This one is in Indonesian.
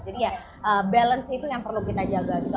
jadi ya balance itu yang perlu kita jaga gitu